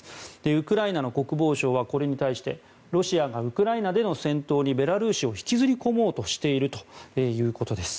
ウクライナの国防省はこれに対してロシアがウクライナでの戦闘にベラルーシを引きずり込もうとしているということです。